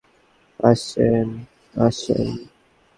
আসেন, আসেন।